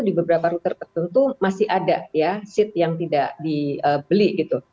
di beberapa rute tertentu masih ada ya seat yang tidak dibeli gitu